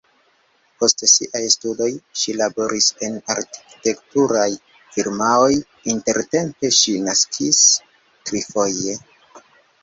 Post siaj studoj ŝi laboris en arkitekturaj firmaoj, intertempe ŝi naskis trifoje.